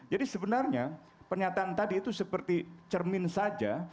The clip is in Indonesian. jadi sebenarnya pernyataan tadi itu seperti cermin saja